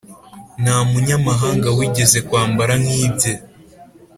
nta munyamahanga wigeze kwambara nk’ibye;